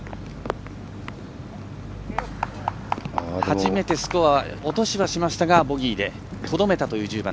初めてスコアを落としはしましたがボギーでとどめたという１０番。